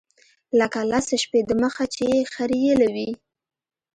لکه لس شپې د مخه چې يې خرييلي وي.